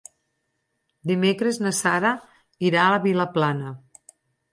Dimecres na Sara irà a Vilaplana.